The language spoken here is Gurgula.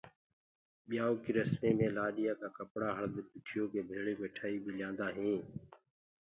ڀيآئوٚ ڪي رسمي مي لآڏيآ ڪآ ڪپڙا هݪد پِٺيو ڪي ڀيݪی مٺآئي بيٚ ليِآندآ هينٚ۔